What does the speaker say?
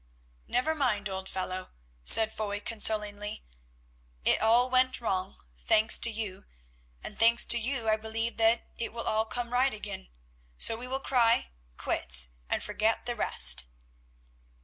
"Never mind, old fellow," said Foy consolingly. "It all went wrong, thanks to you, and thanks to you I believe that it will all come right again. So we will cry quits and forget the rest."